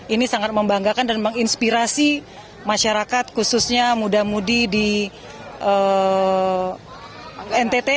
ini sangat membanggakan dan menginspirasi masyarakat khususnya muda mudi di ntt